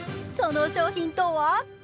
その商品とは？